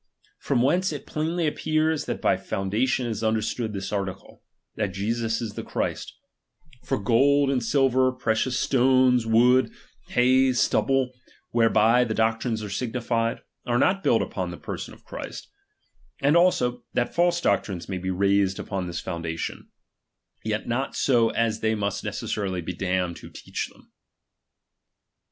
From whence it plainly appears, that by founda tion is understood this article, that Jesus is the Christ : for gold, and silver, precious stones, wood, hay, stubble, whereby the doctrines are signified, are not built upon the person of Christ : and also, that false doctrines may be raised upon this foun dation ; yet not so as they must necessarily be damned who teach them.